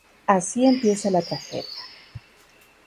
Así empieza la tragedia.